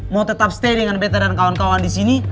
mau tetap stay dengan beta dan kawan kawan di sini